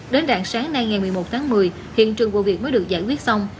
đến đoạn sáng nay ngày một mươi một tháng một mươi hiện trường vụ việc mới được giải quyết xong